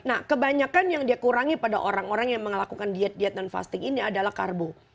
nah kebanyakan yang dia kurangi pada orang orang yang melakukan diet diet non fasting ini adalah karbo